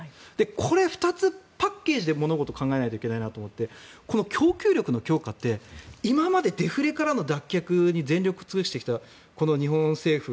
これ２つパッケージで物事を考えないといけないと思っていてこの供給力の強化って今までデフレからの脱却に全力を尽くしてきたこの日本政府。